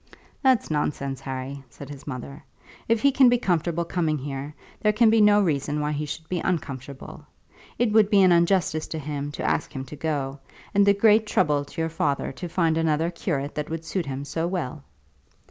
"That's nonsense, Harry," said his mother. "If he can be comfortable coming here, there can be no reason why he should be uncomfortable. It would be an injustice to him to ask him to go, and a great trouble to your father to find another curate that would suit him so well."